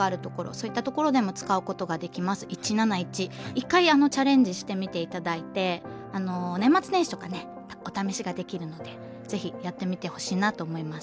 一回チャレンジしてみていただいてあの年末年始とかねお試しができるので是非やってみてほしいなと思います。